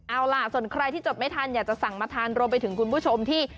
เอาล่ะส่วนใครที่จดไม่ทันอยากจะสั่งมาทานรวมไปถึงคุณผู้ชมที่